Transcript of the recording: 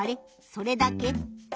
それだけ？